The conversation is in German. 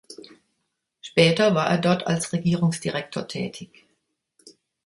Später war er dort als Regierungsdirektor tätig.